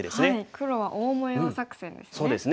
黒は大模様作戦ですね。